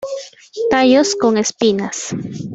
Tallos con espinas.